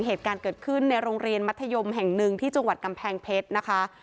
เหตุการณ์เกิดขึ้นในโรงเรียนมัธยมแห่งหนึ่งที่จังหวัดกำแพงเพชรนะคะ